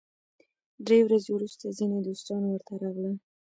درې ورځې وروسته ځینې دوستان ورته راغلل.